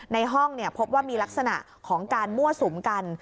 ในห้องพบว่ามีลักษณะของการมั่วสุมกัน